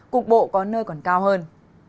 cục bộ có nơi còn cao hơn